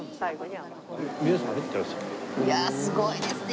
いやあすごいですね。